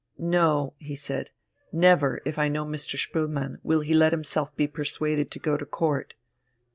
"No," he said, "never, if I know Mr. Spoelmann, will he let himself be persuaded to go to Court."